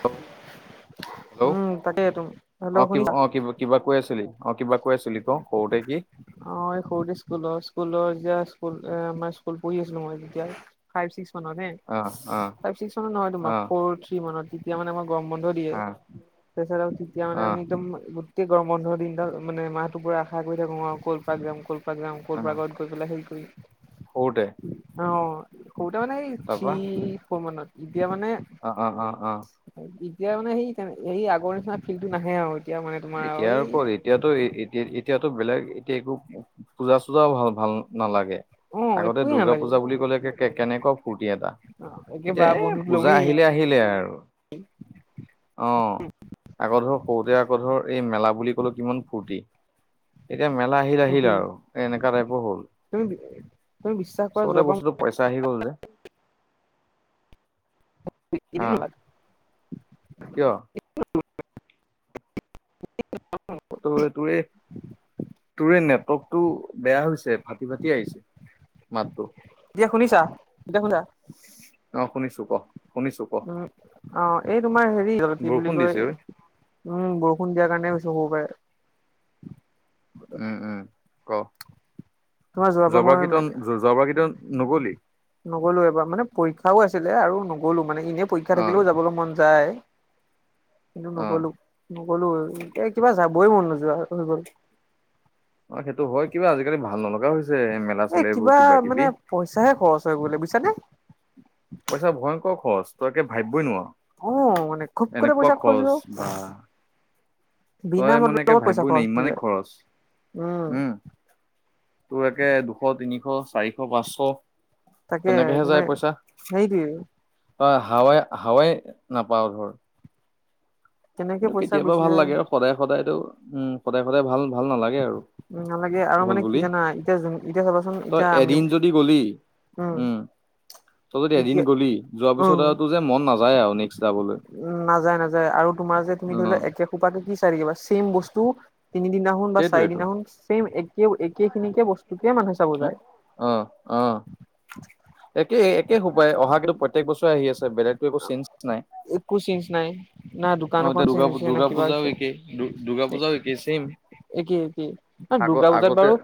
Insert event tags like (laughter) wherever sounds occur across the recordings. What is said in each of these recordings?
Hello hello উম তাকেইটো hello অ কি শুনিছা অ কি কিবা কৈ আছিলি অ কিবা কৈ আছিলি ক সৰুতে কি। অ', সৰুতে স্কুলৰ স্কুলৰ যেতিয়া স্কুল আমাৰ স্কুল পঢ়ি আছিলো মই যেতিয়া ফাইভ ছিক্স মানতহে। অ অ ফাইভ ছিক্স মানত নহয় তোমাৰ অ ফৰ থ্ৰি মানত তেতিয়া মানে গৰম দিয়ে অ তাৰিছত তেতিয়া মানে অ আমি একদম গোটেই গৰম বন্ধৰ দিনাল মানে মাহটোৰ পৰা আশা কৰি থাকো অ কল্ যাম কলপাক যাম অ কলপ্ত গৈ পেলাই হে কৰি সৰুতে অ', কত মানে থী তাৰপা ফৰ মানত এতিয়া মানে অ', অ', অ', অ'। এতিয়া মানে সেই সেই আগৰ নিচিনা ফিল্ডটো নাহে আৰু। এতিয়া মানে তোমাৰ এতিয়া এই আৰু ক এতিয়াতো এতিয়া এতিয়াতো বেলেগ এতিয়া একো পূজা চূজাও ভাল ভাল নালাগে। অ আগতে একোৱেই দুৰ্গা নালাগে পূজা বুলি কলে কেনেকুৱা ফূৰ্তি এটা। একে বা এতিয়া এ বন্ধুক পূজা লমেই আহিলে আহিলে আৰু। অ', আকৌ ধৰ সৰুতে ধৰ এই মেলা বুলি কলো কিমান ফূৰ্তি এতিয়া মেলা আহিল আহিল থ্ৰুদি আৰু এ এনেকা টাইপো হ'ল তুমি তুমি বিশ্বাস কৰা চবতে যোৱাবাৰ বস্তুটো পইচা আহি গ'ল যে। অ (unintelligible) কিয়? (unintelligible) তোৰে নেটৱৰ্ক টো বেয়া হৈছে ফাটি ফাটি আহিছে মাতটো। দিয়া শুনিছা এতিয়া শুনা। অ', শুনিছো ক। শুনিছো ক উম অ এই তোমাৰ হেৰি কি বুলি বৰষুণ দিছে কয়। ঐ উম বৰষুণ দিয়াৰ কাৰণে গছো হ'ব পাৰে। উম উম ক তোমাৰ যোৱাবাৰ মই জবাৰ কীৰ্তন যাবাৰ কীৰ্তন নগলি। নগলো এবাৰ মানে পৰীক্ষাও আছিলে আৰু নগলো মানে এনেই পৰীক্ষা অ থাকিলেও যাবলৈ মন যায়। কিন্তু অ নগলো নগলো এ কিবা যাবই মন নোযোৱা হৈ গ'ল। অ', সেইটো হয় কিবা আজিকালি ভাল নলগা হৈছে মেলা এই চেলা এইবোৰ কিবা মানে কিবি। পইচাহে খৰচ হৈ গ'লে বুইছানে। পইচা ভয়ংকৰ খৰচ তই একে ভাবিবই অ মানে নোৱাৰি খুবকতে এনেকুৱা পইচা হৈ খৰচ গ'ল বা। বিনা তই মানে মতলবত পইচা ভাবিবই নাই খৰচ হৈ ইমানে যায় খৰচ উম হম। তোৰ একে দুশ, তিনিশ, চাৰিশ, পাঁচশ তাকে তেনেকেহে তোমাৰ সেই কি। হয় হাৱাই হাৱাই নাপাওঁ ধৰ। কেনেকে কিন্তু পইচা কেতিয়াবা গুচি ভাল যায় লাগে আৰু সদায় সদায়তো উম সদায় সদায় ভাল ভাল নালাগে আৰু। উ নালাগে আৰু হ'ল মানে বুলি কি জানা এতিয়া এতিয়া চাবাচোন তই এতিয়া আমি এদিন যদি গলি উম তই যদি এদিন এতিয়া গ'লি যোৱাৰ উম পিছত আৰু তোৰ যে মন নাযায় আৰু নেক্সট যাবলৈ। উ নাযায় নাযায় আৰু তোমাৰ যে তুমি অ ধৰি লোৱা একে সোপাকে কি চাই থাকিবা ছেম বস্তু তিনিদিনাখন বা সেইটোৱেইটো চাৰিদিনাখন ছেম একে একেখিনিকে বস্তুকে মানুহে চাব হে যায়। অ', অ',। একে একে সোবাই অহা কিন্তু প্ৰত্যেক বছৰে আহি আছে বেলেগতো একো চেঞ্জ নাই। একো চেঞ্জ নাই না দোকান অ', এখন এতিয়া চেঞ্জ দুৰ্গা হৈছে না দুৰ্গা কিবা পূজা হৈছে একেই দুৰ্গা পূজাও একেই চেম। একেই একেই আগ দুৰ্গা পূজাত আগতে বাৰু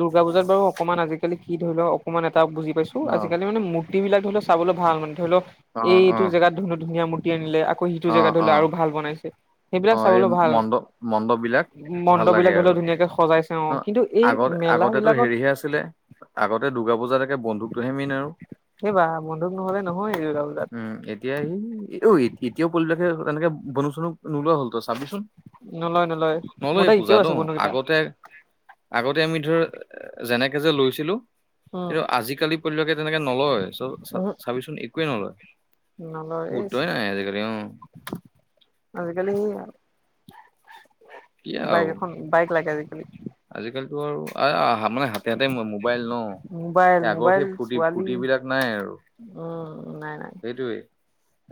দুৰ্গা পূজাত বাৰু অকমান আজিকালি আজিকালি কি ধৰি লও অকণমান এটা বুজি পাইছো অ আজিকালি মানে মূৰ্তি বিলাক ধৰি লও চাবলৈ ভাল মানে ধৰি লওক - অ অ এইটো জেগাত ধুনীয়া ধুনীয়া মূৰ্তি আনিলে আকৌ সিটো অ জেগাত অ ধৰিলেও আৰু ভাল বনাইছে অ সেইবিলাক এই চাবলৈ ভাল মণ্ডপ মণ্ডপ মণ্ডপ বিলাক ধৰি লওক ধুনীয়াকে সজাইছে। অ কিন্তু এই আগতে মেলা আগতেটো বিলাকত হেৰিহে আছিলে আগতে দুৰ্গা পূজাতাকে বন্দুকটোহে মেইন আৰু। সেইবা বন্ধুক নহ'লে নহয় দূৰ্গা পূজাত উম এতিয়া স অ এতিয়া পোৱালি বিলাকে তেনেকে বন্ধুক চন্ধুক নোলোৱা হল তই চাবিচোন। নলয় নলয় মোৰ নলয়ে তাত এতিয়াও পূজাত আছে ন বন্ধুকেইটা আগতে আগতে আমি ধৰ যেনেকে যে লৈছিলোঁ। উম কিন্তু আজিকালি পোৱালি বিলাকে তেনেকে নলয় চব উহু চাবিচোন একোৱেই নলয় নলয় এই গুৰুত্ব নাই আজি কালি অ আজিকালি বাইক এখন বাইক লাগে আজিকালি। আজি কালিটো আৰু আহা মানে হাত তাতেই মোবাইল ন মোবাইল সেই আগৰ মোবাইল সেই ফূৰ্তি ছোৱালী ফূৰ্তি বিলাক নাই আৰু উম নাই নাই সেইটোৱেই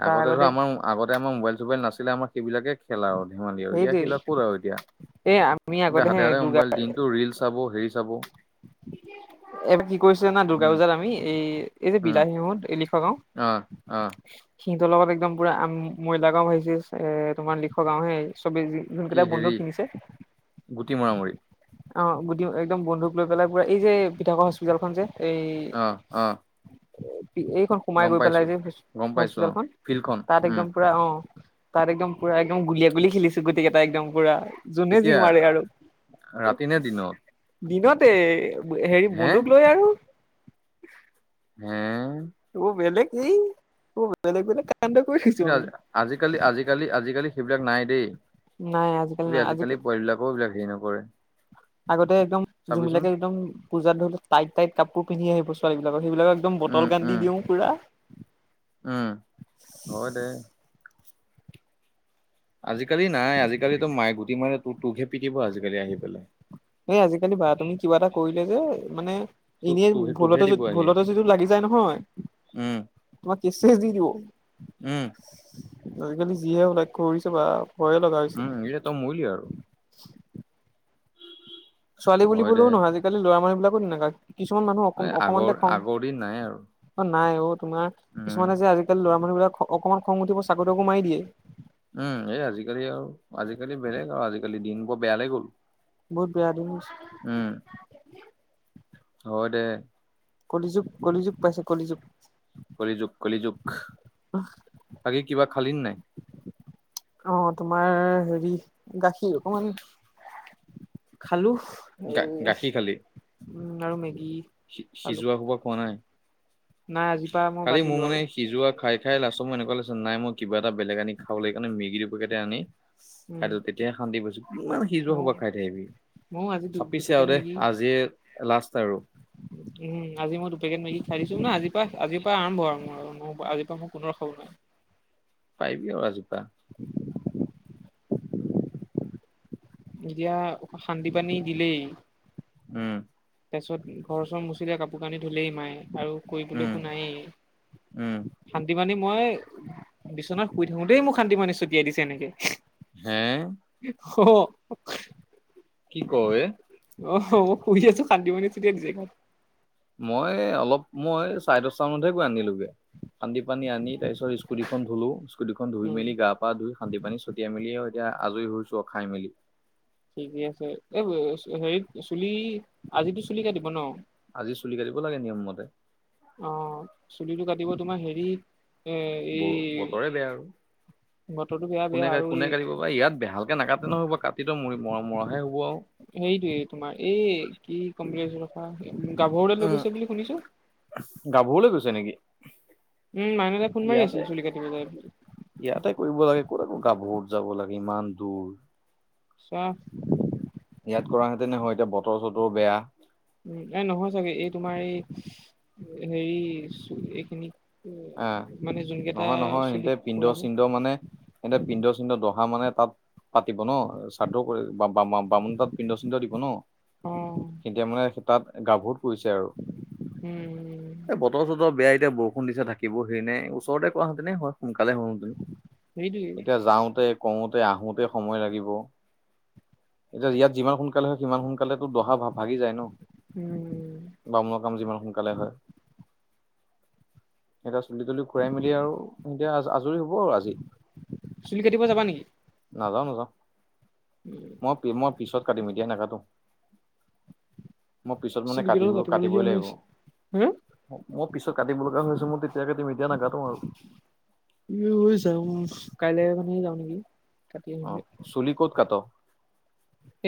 আগতে ধৰ আমাৰ আগতে আমাৰ মোবাইল চোবাইল নাছিলে আমাৰ সেইবিলাকে খেলা ধেমালি আৰু এতিয়া সেইটোৱে সেইবিলাক ক'ত আৰু এতিয়া এই আমি আগতে হে হাতে হাতে দুৰ্গা মোবাইল দিনটো ৰিল চাব হেৰি চাব এবাৰ কি কৰিছিলে না দ দুৰ্গা উম পূজাত আমি এই এই যে বিলাহীহত এই লিখোৱা গাও অ অ সিহঁতৰ লগত একদম পূৰা ময়লা গাঁও তোমাৰ লিখ গাঁওহে চবেই যি কি হেৰি গুটি মৰা মৰি অ গুদি একদম বন্ধুক লৈ পেলাই পুৰা এই যে পিঠাক হস্পিতালখন যে এই আহ আহ এইখন সোমাই গম গৈ পেলাই পাইছো। যে গম পাইছো অ হস্পিতালখন ফিল্ডখন তাত উম একদম পুৰা অ তাত একদম পুৰা একদম গুলিয়া গুলী খেলিছোঁ গোটেইকেইটা একদম পুৰা যোনে যি এতিয়া মাৰে আৰু ৰাতি নে দিনত? দিনতে হেৰি হে বন্ধুক লৈ আৰু উম ত বেলেগ কি ত বেলেগ বেলেগ কান্দ কৰি থৈছো কিন্তু আমি। আজিকালি আজিকালি আজিকালি সেইবিলাক নাই দেই আজিকালি পোৱালিবিলাকও এইবিলাক হেৰি নকৰে আগতে একদম চাবিচোন যোনবিলাকে একদম পূজাত ধৰিলেও টাইট টাইট কাপোৰ পিন্ধি আহিব ছোৱালী বিলাকৰ সেইবিলাকৰ একদম উম বটল গান উম দি দিওঁ পূৰা উম হয় দে আজিকালি নাই আজিকালিতো মাইে গুটি মানে তো তোকহে পিটিব আজিকালি আহি পেলাই। এই আজিকালি বা তুমি কিবা এটা কৰিলে যে মানে তো এনেই তোহে তোকহে ভুলতে দিব আহি ভুলতে যদি লাগি যায় নহয় উম, তোমাক কেছ চেছ দি দিব। উম, আজিকালি যিহে লক্ষ্য কৰিছে বা ভয়ে লগা হৈছে। উম, এতিয়া তই মৰিলি আৰু ছোৱালী বুলি হয় দে বলেও নহয় আজিকালি ল'ৰা মানুহ বিলাকো তেনেকা কিছুমান মানুহ অক এই অকণমানতে আগৰ খং আগৰ দিন নাই আৰু অ' নাই অ' তোমাৰ উম। কিছুমানে যে আজিকালি লৰা মানুহ বিলাক অকনমান খং উঠিব চাকু তাকু মাৰি দিয়ে। উম, এই আজিকালি আৰু আজিকালি বেলেগ আৰু আজিকালি দিন বোৰ বেয়া লৈ গ'ল বহুত বেয়া দিন হৈছে। উম, হয় দে কলিযুগ - কলিযুগ, পাইছে কলিযুগ কলিযুগ - কলিযুগ, বাকী কিবা খালি নে নাই? অ', তোমাৰ হেৰি গাখীৰ অকমান খালোঁ গাখীৰ খালী? উম, আৰু মেগী খালো সিজোৱা খোপা খোৱা নাই? নাই আজিৰ পৰা মই কালি বাদ মোৰ দিলো মানে আৰু সিজোৱা খাই - খাই, লাষ্টত মোৰ এনেকুৱা লাগিছে নাই মই কিবা এটা বেলেগ আনি খাব লাগ সেইকাৰণে মেগী দুপেকেত আনি উম খাইদিছো তেতিয়াহে শান্তি পাইছো কিমান সিজোৱা ময়ো হবা খাই থাকিবি ময়ো আজি দু চাপিছে দুপেকেট আৰু দে মেগী আজিয়ে লাষ্ট আৰু উম, আজি মই দুপেকেট মেগি খাই দিছো না আজি পৰা আজিৰ পৰা আৰম্ভ আৰু (unintelligible) আজিৰ পৰা ম কোনো ৰখাব নোৱাৰে পাৰিবি আৰু আজিৰ পৰা (inaudible) এতিয়া অ' শান্দি পানী দিলেই উম, তাৰপিছত ঘৰ চৰ মুচিলে কাপোৰ কানি ধুলেই মায়ে আৰু কৰিবলৈ উম একো উম নায়েই শান্তি মানী মই বিচনাত শুই থাকো দেই মোক শান্তি মানী ছটিয়াই দিছে এনেকে হে? অ' কি কৌ বে? অ' মই শুই আছো শান্তি পাণী চেতিয়াই দিছে গাত। মই অলপ মই চাৰে দশটা মানতহে গৈ আনিলো গে। শান্তি পানী আনি তাৰ পিছত স্কুটিখন ধুলো, স্কুটিখন ধুই উম। মেলি গাপ পা ধুই শান্তি পানী ছটিয়াই মেলি এতিয়া আজৰি হৈছো খাই মেলি ঠিকেই আছে এ হেৰিত চুলি আজিতো চুলি কাটিব ন? আজি চুলি কাটিব লাগে নিয়ম মতে অ' চুলিটো কাটিব তোমাৰ হেৰিত ব বতৰে বেয়া আৰু বতৰটো বেয়া বেয়া কোনে কা আৰু এই কোনে কাটিব বা ইয়াত বেহাল একে নাকাতে নহব কাটি মৰা মৰাহে হ'ব আৰু। সেইটোয়ে তোমাৰ এই কি কম বুলি ভাবিছিলোঁ ৰখা গাভৰু তাত লৈ গৈছে বুলি শুনিছো গাভৰুলে গৈছে নেকি? উম মাইনা দাই ফোন মাৰি আছিল ইয়াতে চুলি কাটিব যাই বুলি ইয়াতে কৰিব লাগে ক'তো আকৌ গাভৰুত যাব লাগে ইমান দূৰ চোৱা ইয়াত কৰা হেঁতেন হয় এতিয়া বতৰ চতৰো বেয়া উম এই নহয় চাগে এই তোমাৰ এই হেৰি এইখিনি হা উম মানে যোন কেইটা নহয় নহয় সিহঁতে চুলি পিণ্ড খুৰাব চিণ্ড মানে সিহঁতে পিন্ধ চিনধ দহা মানে তাত পাতিব ন শ্ৰাদ্ধ কৰি বামুণ তাত পিন্ধ চিন্ধ দিব ন অ', এতিয়া মানে সিতাত গাভৰুত পৰিছে আৰু উম বতৰ চতৰ বেয়া এতিয়া বৰষুণ দিছে থাকিব সেৰি নাই ওচৰতে কোৱা হেতেনে হয় সোনকালে হলহেতেন সেইটোৱে। এতিয়া যাওঁতে কওঁতে আহোঁতে সময় লাগিব এতিয়া ইয়াত যিমান সোনকালে হয় সিমান সোনকালেতো দহা ভাগি যায় ন উম বামুণৰ কাম যিমান সোনকালে হয় সিহঁতে এতিয়া চুলি তুলি খুৰাই মেলি আৰু এতিয়া আজৰি হ'ব আৰু আজি চুলি কাটিব যাব নেকি? নাযাওঁ নাযাওঁ উম মই মই পিছত কাটিম এতিয়া নাকাটো মই পিছত মানে চুলি কেইডাল কাটিব কাটিবই কাটিবলগীয়া হৈ লাগিব, আছে। হা মো পিছত কাটিব লগা হৈছে মোৰ তেতিয়াই কাটিম এতিয়া নাকাটো আৰু ইয়ো যাওঁ কাইলে মানে যাওঁ নেকি কাটি অ আহিমগে চুলি ক'ত কাট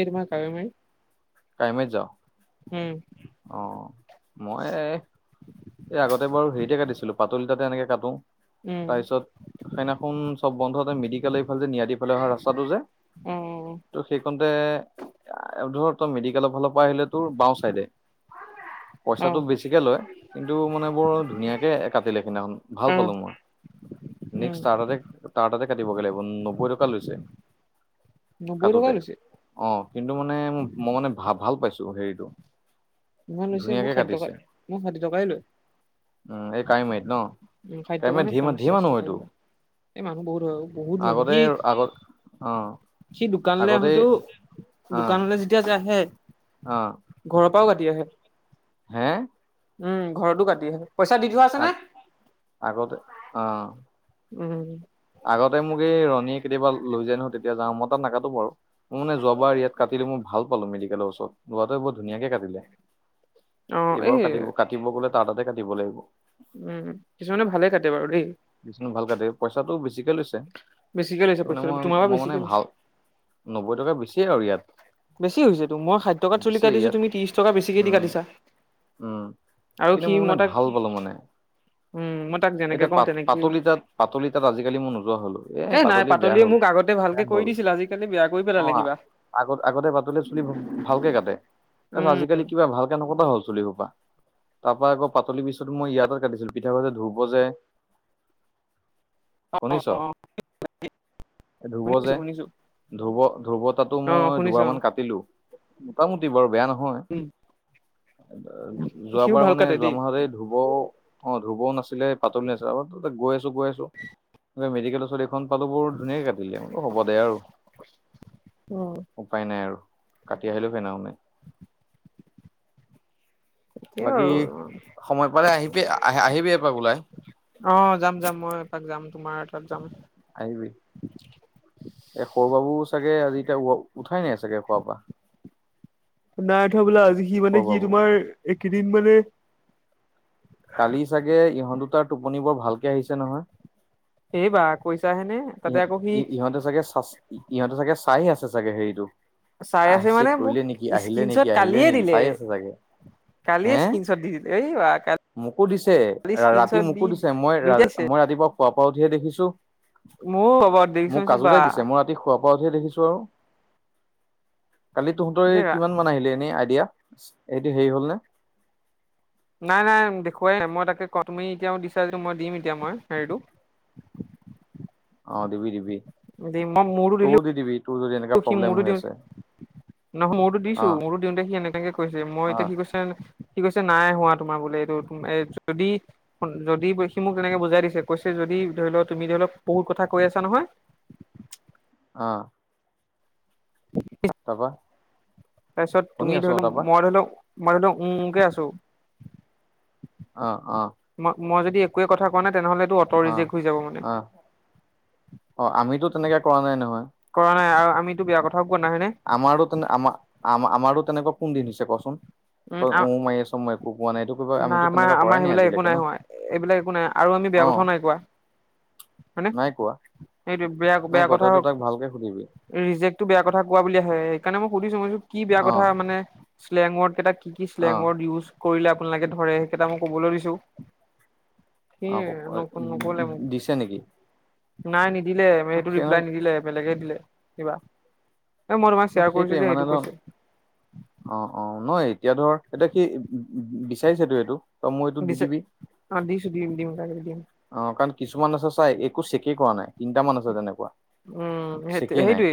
এই তোমাৰ কাৱৈমাৰি কাৱৈ মাৰিত যাওঁ উম অ মই এ আগতে বাৰু হেৰিতে কাটিছিলো পাতোল তাতে এনেকে কাটো উম, তাৰপিছত সেইদিনাখন চব বন্ধ মেডিকেল এইফাল যে নিয়াদি ফালে অহা ৰাস্তাটো যে অ অ অ ত' সেই কণতে ধৰ তই মেডিকেলৰ ফালৰ পৰা আহিলে তোৰ বাওঁ চাইডে পইচাটো অ', বেছিকে লয় কিন্তু মানে বৰ ধুনীয়াকে কাটিলে সেইদিনাখন ভাল অ', পালো মই উম, নেক্স তাৰ তাতে তাৰ তাতে কাটিবগে লাগিব নব্বৈ টকা লৈছে নব্বৈ টকা কাটোতে লৈছে অ কিন্তু মানে মই মানে ভা ভাল পাইছো হেৰিটো ইমান লৈছে মোক ধুনীয়াকে ষাঠি টকা কাটিছে মোক ষাঠি টকাই লয় উম এই কাৱৈমাৰীত ন উম খাদ্য কাৱৈমাৰীত কাৰণে ধেৰ ধেৰ মানুহ পঞ্চাশ টকা হয়তো কিবা এ মানুহ বহুত হয় বহুত মানুহ আগতে কি আগত অ সি দোকানলে আগতে আহোঁতেও অ দোকানলে যেতিয়া যে আহে অ ঘৰৰ পৰাও কাটি আহে। হে? উম ঘৰতো কাটি আহে পইচা দি থোৱা আছে নে? আগতে অঁ, উম। আগতে মোক এই ৰণীয়ে কেতিয়াবা লৈ যাই নহয় তেতিয়া যাও মই তাত নাকাটো বাৰু। মোৰ মানে যোৱাবাৰ ইয়াত কাটিলো মই ভাল পালো মেডিকেলৰ ওচৰত লৰাটোৱে বৰ ধুনীয়াকে কাটিলে। অ', এইবাৰ এই কাটিব কাটিব গলে তাৰ তাতে কাটিব লাগিব। উম কিছুমানে ভালে কাটে বাৰু দেই। কিছুমান ভাল কাটে পইচাটো বেছিকে লৈছে বেছিকে লৈছে মানে মই পইচাটো তোমাৰ পৰা মই মানে বেছিকে লৈছে। ভাল নব্বৈ টকা বেছিয়ে আৰু ইয়াত। বেছি হৈছে তো মই ষাঠি টকাত চুলি বেছি ইয়াত কাটিছো তুমি ত্ৰিশ টকা বেছিকে দি উম, কাটিছা। উম আৰু কিন্তু সি মই মানে তাক ভাল পালো মানে। উম ম তাক যেনেকে এতিয়া কওঁ পাত তেনেকেই পাতলি তাত পাতলি তাত আজিকালি মই নোযোৱা হলো এ নাই পাতলি বেয়া পাতলিয়ে হ'ল মোক আগতে ভালকে বেয়া কৰি হ'ল দিছিল আজি বেয়া কৰি অ পেলালে কিবা। আগত আগতে বাতলে চুলি ভালকে কাটে তাৰপিছত উম, আজিকালি কিবা ভালকে নকটা হ'ল চুলি সোপা তাৰ পৰা আকৌ পাতলিৰ পিছত মই ইয়াতে কাটিছিলো পিঠা প ধুপ বজে শুনিছ? অ', অ ধূৰ্ব শুনিছো যে শুনিছো ধূৰ্ব ধূৰ্ব তাতো অ', মই শুনিছো অ', দুবাৰমান কাটিলো। মোটামুটি বাৰু বেয়া নহয়। উম, সিও যোৱাবাৰ ভাল মানে কাটে যোৱা দেই। মাহতে ধুব অঁ, ধ্ৰুবও নাছিলে পাতল নাছিল আ গৈ আছো গৈ আছো মেডিকেলৰ ওচৰত এ খন পালো বৰ ধুনীয়াক কাটিলে বোলো হ'ব দে আৰু, উম, উপায় নাই আৰু কাটি আহিলেও ফেনাও নাই। সেই বাকী আৰু সময় পালে আহিবি আহ আহিবি এপাক ওলাই। অঁ, যাম যাম মই এপাক যাম তোমাৰ তাত যাম। আহিবি এ সৰু বাবু চাগে আজি এতিয়া উঠাই নাই চাগে খোৱাৰ পৰা। নাই থোৱা বোলা আজি সি সৰু মানে কি বাবু তোমাৰ এইেকেইদিন মানে কালি চাগে ইহঁত দুটাৰ টোপনি বৰ ভালকে আহিছে নহয়। এই বা কৈছাহেনে? ই ইহঁতে চাগে চ ইহঁতে চাগে চাই আছে চাগে হেৰিটো। চাই আহ আছে চে মানে মোক কৰিলে নেকি আহিলে নেকি আহিলে নেকি চাই আছে চাগে। কালি এ হে স্কিন শত দি দিলে এ বা কাল মোকো দিছে ৰাতি মোকো দিছে মই মই ৰাতিপুৱা খোৱা পৰা উঠিহে দেখিছো। মোৰ (unintelligible) খবৰ দেখিছোন চোপা। ঘৰতহে দেখিছোঁ আৰু কালি তহঁতৰ কিমান মান আহিলে এনেই আইডিয়া? এইটো হেৰি হল নে? নাই নাই দেখুৱাই মই তাকে কটমি এতিয়াও দিছা যটো মই দিম এতিয়া মই হেৰিটো। অঁ, দিবি দিবি। মই মোৰটো তইও দিলোঁ। দি দিবি তোৰ যদি এন তখি মোৰটো দিওঁ। নহয় মোৰতো দিছো অ' মোৰতো দিওঁতে সি এনেকাকে কৈছে মই এতিয়া অ' সি কৈছে কি কৈছে নাই হোৱা তোমাৰ বোলে এইটো তুম যদি। যদি সি মোক তেনেকে বুজাই দিছে কৈছে যদি ধৰি লও তুমি ধৰি লওক বহুত কথা কৈ আছা নহয় অ। তাৰপা? তাৰ পিছত শুনি তুমি আছো ধৰি অ' লওক তাৰপা মই ধৰি লওক মই ধৰি লওক উও উওকে আছো। অ অ। ম মই যদি একোৱে কথা কোৱা নাই তেনেহলেটো অ অ অ আমিতো তেনেকে কৰা নাই নহয়। কৰা নাই আৰু আমিতো বেয়া কথাও কোৱা নাই হয়নে? আমাৰো তেনে আম আমাৰো তেনেকুৱা কোন দিন হৈছে কচোন? তই উ মাৰি আছ মই কোৱা নাই তোক। নাই আমাৰ আমাৰ সেইবিলাক একো নাই হোৱা, এইবিলাক একো নাই আৰু আমি বেয়া অ' কথাও নাই কোৱা। নাই কোৱা। এইটোৱে বেয়া নাই বেয়া কোৱা কথা তই টো হওক তাক ভালকে সুধিবি। ৰিজেক্টটো বেয়া কথা কোৱা বুলি আহে, সেইকাৰণে মই সুধিছো মই কৈছোঁ কি বেয়া কথা অ' মানে শ্লেং ৱৰ্ড কেইটা কি কি শ্লেঙ অ' ৱৰ্ড ইউজ কৰিলে আপোনালোকে ধৰে সেইকেইটা মই কবলৈ দিছো। সেই অ' আৰু ন নকলে মোক। দিছে নেকি? নাই নিদিলে ন সেইটো সেই ৰিপ্লাই নিদিলে বেলেগে দিলে কিবা। এ মই তোমাক ন শ্বেয়াৰ কৰিছো সেইটোৱে যে মানে সেইটো ধৰ কৈছে। অ অ নহয় এতিয়া ধৰ এতিয়া সি উ বিচাৰিছে তো এইটো। তই মোৰ এইটো দি দিছে দিবি অ দিছোঁ দিম দিম (inaudible) দিম। অ কাৰণ কিছুমান আছে চাই একো চেকে কৰা নাই তিনিটামান আছে তেনেকুৱা। উম সেত চেকেই নাই সেইটোৱেই।